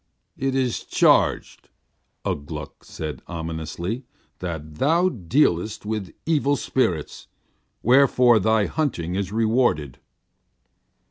"It is charged," Ugh Gluk said ominously, "that thou dealest with evil spirits, wherefore thy hunting is rewarded."